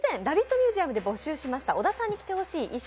ミュージアムで募集しました、「小田さんに着てほしい衣装」